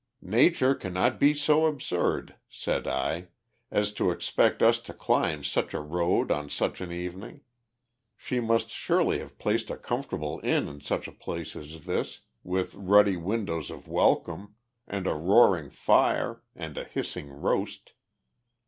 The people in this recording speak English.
"Nature cannot be so absurd," said I, "as to expect us to climb such a road on such an evening! She must surely have placed a comfortable inn in such a place as this, with ruddy windows of welcome, and a roaring fire and a hissing roast."